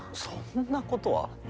そんなことは。